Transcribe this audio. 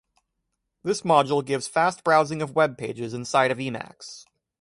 This module gives fast browsing of web pages inside of Emacs.